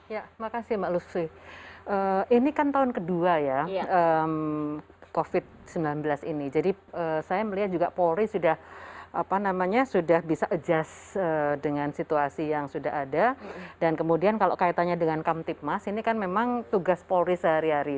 ya makasih mbak lucy ini kan tahun kedua ya covid sembilan belas ini jadi saya melihat juga polri sudah bisa adjust dengan situasi yang sudah ada dan kemudian kalau kaitannya dengan kamtipmas ini kan memang tugas polri sehari hari